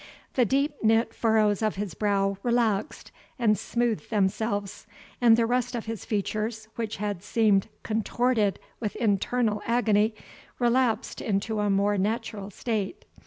The deep knit furrows of his brow relaxed and smoothed themselves; and the rest of his features, which had seemed contorted with internal agony, relapsed into a more natural state.